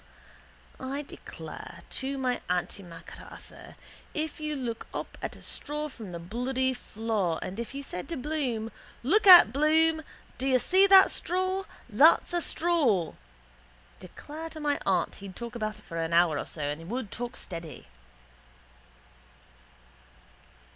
I declare to my antimacassar if you took up a straw from the bloody floor and if you said to Bloom: Look at, Bloom. Do you see that straw? That's a straw. Declare to my aunt he'd talk about it for an hour so he would and talk steady.